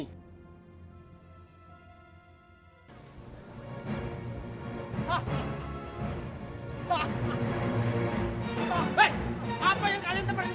hei apa yang kalian tekan di situ